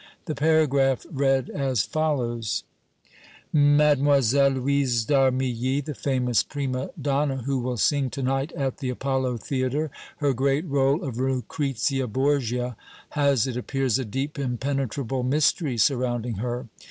The paragraph read as follows: "Mlle. Louise d' Armilly, the famous prima donna, who will sing to night at the Apollo Theatre her great rôle of Lucrezia Borgia, has, it appears, a deep impenetrable mystery surrounding her.